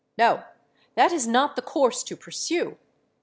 No: that is not the course to pursue.